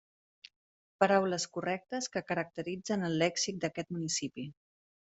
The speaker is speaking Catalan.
Paraules correctes que caracteritzen el lèxic d'aquest municipi.